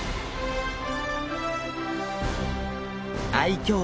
愛きょう